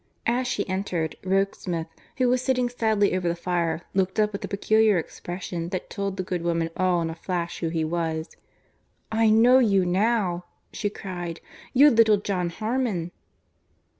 As she entered, Rokesmith, who was sitting sadly over the fire, looked up with a peculiar expression that told the good woman all in a flash who he was. "I know you now," she cried, "you're little John Harmon!"